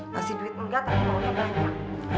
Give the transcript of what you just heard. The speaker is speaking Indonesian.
kasih duit enggak tapi maunya banyak